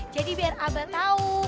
jadi biar abah tau